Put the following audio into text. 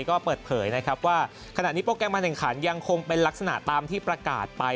ก็เปิดเผยนะครับว่าขณะนี้โปรแกรมการแข่งขันยังคงเป็นลักษณะตามที่ประกาศไป